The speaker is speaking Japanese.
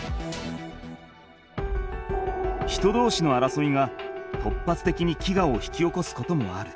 人どうしのあらそいが突発的に飢餓を引き起こすこともある。